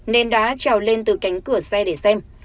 nên đã trào lên từ cánh cửa xe để xem